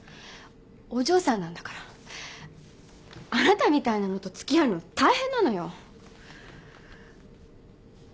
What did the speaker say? お嬢さんなんだからあなたみたいなのとつきあうの大変なのよ。